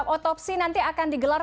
otopsi nanti akan digelar